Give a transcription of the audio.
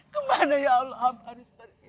kemana ya allah harus pergi